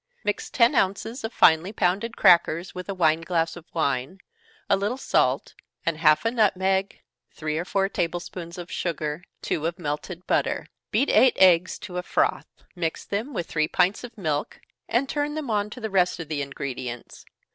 _ Mix ten ounces of finely pounded crackers with a wine glass of wine, a little salt, and half a nutmeg, three or four table spoonsful of sugar, two of melted butter. Beat eight eggs to a froth mix them with three pints of milk, and turn them on to the rest of the ingredients.